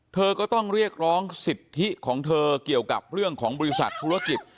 เธอก็ต้องเรียกร้องสิทธิของเธอเกี่ยวกับเรื่องของบริษัทธุรกิจ